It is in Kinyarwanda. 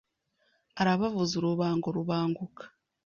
Arabavuza urubango Rubanguka